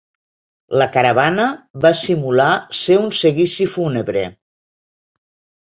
La caravana va simular ser un seguici fúnebre.